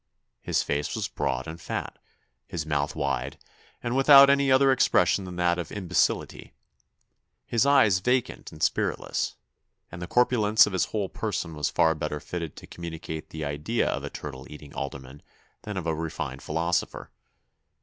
His face was broad and fat, his mouth wide, and without any other expression than that of imbecility. His eyes vacant and spiritless; and the corpulence of his whole person was far better fitted to communicate the idea of a turtle eating alderman than of a refined philosopher.